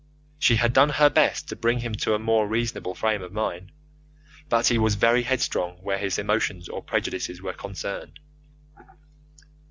She had done her best to bring him to a more reasonable frame of mind, but he was very headstrong where his emotions or prejudices were concerned.